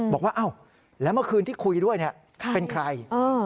บอกว่าอ้าวแล้วเมื่อคืนที่คุยด้วยเป็นใคร